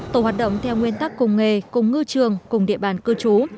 tổ hoạt động theo nguyên tắc cùng nghề cùng ngư trường cùng địa bàn cư trú